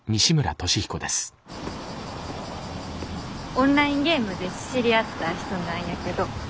オンラインゲームで知り合った人なんやけど。